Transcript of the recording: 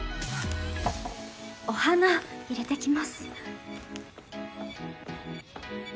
お花入れてきます。